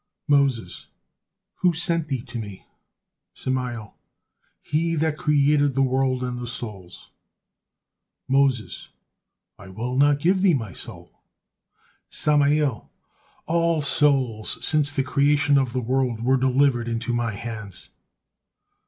Moses: "Who sent thee to me?" Samael: "He that created the world and the souls." Moses: "I will not give thee my soul." Samael: "All souls since the creation of the world were delivered into my hands."